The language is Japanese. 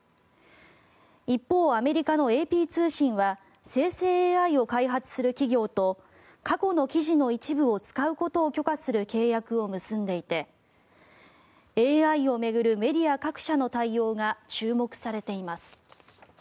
一方、アメリカのＡＰ通信は生成ＡＩを開発する企業と過去の記事の一部を使うことを許可する契約を結んでいてＡＩを巡るメディア各社の対応が注目されています。